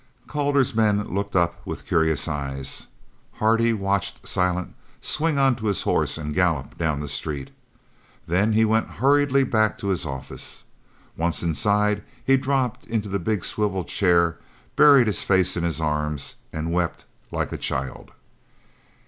Calder's men looked up with curious eyes. Hardy watched Silent swing onto his horse and gallop down the street. Then he went hurriedly back to his office. Once inside he dropped into the big swivel chair, buried his face in his arms, and wept like a child.